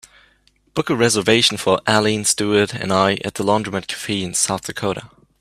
Book a reservation for arlene stewart and I at The Laundromat Cafe in South Dakota